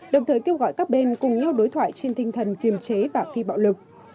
đồng thời kêu gọi các bên cùng nhau đối thoại trên tinh thần kiềm chế và phi bạo lực